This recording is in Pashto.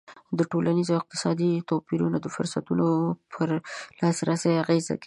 ټولنیز او اقتصادي توپیرونه د فرصتونو پر لاسرسی اغېز کوي.